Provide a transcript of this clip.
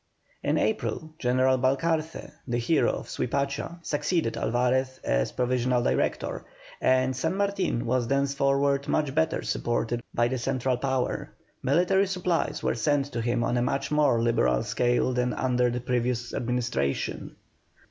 In April General Balcarce, the hero of Suipacha, succeeded Alvarez as Provisional Director, and San Martin was thenceforward much better supported by the central power; military supplies were sent to him on a much more liberal scale than under the previous administration.